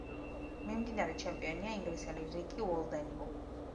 მიმდინარე ჩემპიონია ინგლისელი რიკი უოლდენი.